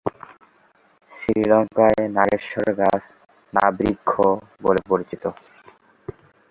শ্রীলঙ্কায় নাগেশ্বর গাছ 'না' বৃক্ষ বলে পরিচিত।